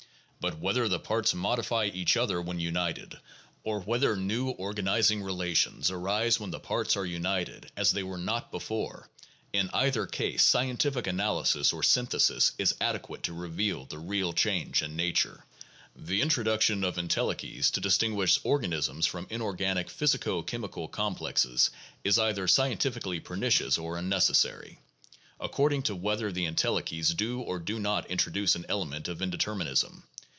But whether the parts modify each other when united, or whether new organizing relations arise when the parts are united as they were not before, in either case scientific analysis or synthesis is adequate to reveal the real change in nature. The introduction of entelechies to distinguish organisms from inorganic physico chemical complexes is either scientifically pernicious or unnecessary, according to whether the entelechies do or do not introduce an element of indeterminism.